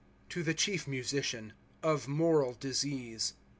To llie chief Musician. Of [moralj disease.